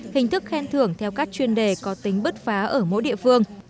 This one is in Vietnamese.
hình thức khen thưởng theo các chuyên đề có tính bứt phá ở mỗi địa phương